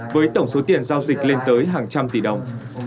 với tổng số tiền giao dịch lên tới hàng trăm tỷ đồng